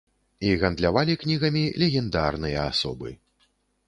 І гандлявалі кнігамі легендарныя асобы.